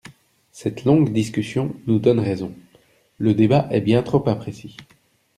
Cette longue discussion nous donne raison : le débat est bien trop imprécis.